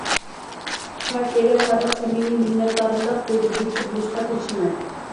پارتىيەگە سادىق سەمىمىي مىننەتدارلىق بىلدۈرگۈچى بولۇشقا تىرىشىمەن.